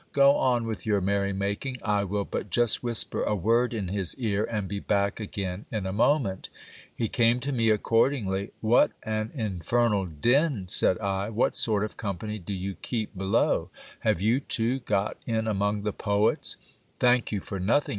Go on with your merry making ; I will but just whisper a vord in his ear, and be back again in a moment He came to me accordingly. What an infernal din ! said I. What sort of company do you keep below ? Have you, too, got in among the poets ? Thank you for nothing